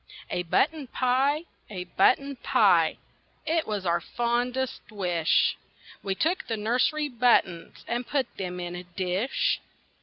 A BUTTON pie! a button pie! It was our fondest wish. We took the nursery buttons And put them in a dish.